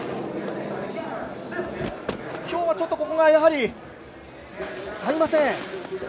今日はちょっとここが合いません。